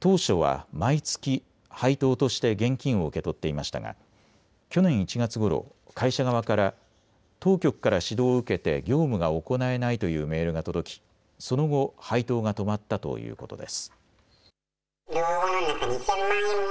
当初は毎月、配当として現金を受け取っていましたが去年１月ごろ、会社側から当局から指導を受けて業務が行えないというメールが届きその後、配当が止まったということです。